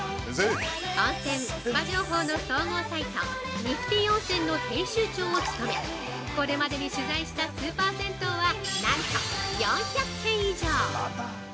温泉・スパ情報の総合サイトニフティ温泉の編集長を務めこれまでに取材したスーパー銭湯はなんと４００軒以上！